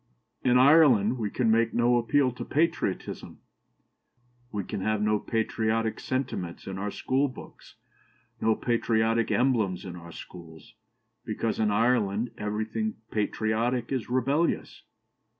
'In Ireland we can make no appeal to patriotism, we can have no patriotic sentiments in our schoolbooks, no patriotic emblems in our schools, because in Ireland everything patriotic is rebellious.'